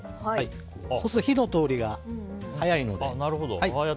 そうすると火の通りが早いので。